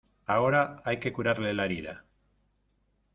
ahora hay que curarle la herida.